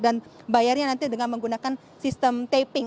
dan bayarnya nanti dengan menggunakan sistem taping